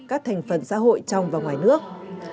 các thành phần xã hội trong và ngoài nước